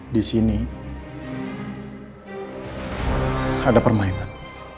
di sini ada permainan